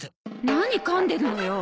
何噛んでるのよ。